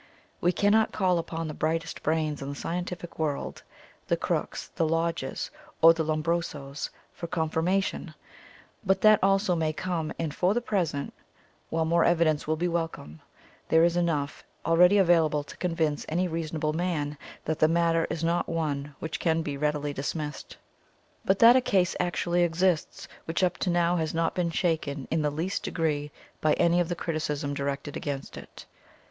We cannot call upon the brightest brains in the scientific world, the Crookes, the Lodges, or the Lombrosos, for confirmation. But that also may come, and for the present, while more evidence will be welcome, there is enough already available to convince any reasonable man that the matter is not one which can be readily dismissed, but that a 195 THE COMING OF THE FAIRIES case actually exists which up to now has not been shaken in the least degree by any of the criticism directed against it.